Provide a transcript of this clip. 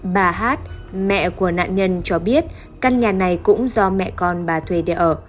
bà hát mẹ của nạn nhân cho biết căn nhà này cũng do mẹ con bà thuê để ở